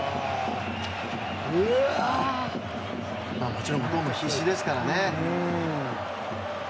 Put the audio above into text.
もちろん向こうも必死ですからね。